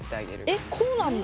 えこうなんだ。